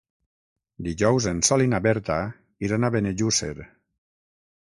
Dijous en Sol i na Berta iran a Benejússer.